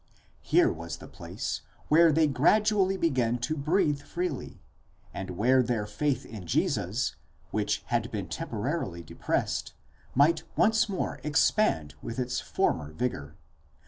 Here was the place where they gradually began to breathe freely, and where their faith in Jesus, which had been temporarily depressed, might once more expand with its former vigour.